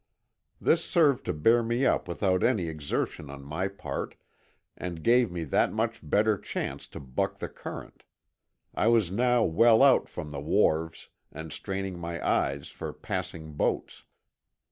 This served to bear me up without any exertion on my part, and gave me that much better chance to buck the current. I was now well out from the wharves, and straining my eyes for passing boats.